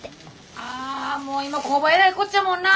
ああもう今工場えらいこっちゃもんな。